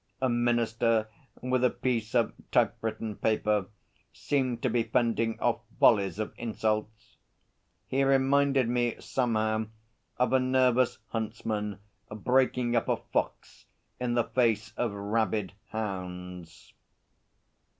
A Minister with a piece of typewritten paper seemed to be fending off volleys of insults. He reminded me somehow of a nervous huntsman breaking up a fox in the face of rabid hounds.